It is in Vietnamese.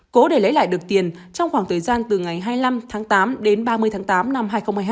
cố để lấy lại được tiền trong khoảng thời gian từ ngày hai mươi năm tháng tám đến ba mươi tháng tám năm hai nghìn hai mươi hai